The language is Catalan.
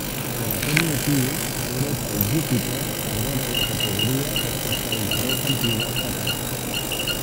Per aquest motiu, Europa i Júpiter perderen la categoria respecte al darrer campionat català.